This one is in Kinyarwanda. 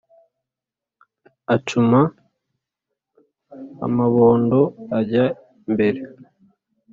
Acuma amabondo ajya mbere